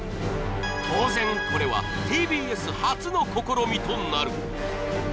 当然、これはＴＢＳ初の試みとなる。